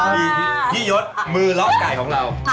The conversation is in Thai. พี่ยฤ์ทมือล็อกไก่ของเรา